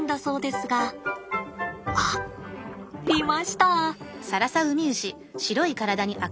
あっいました！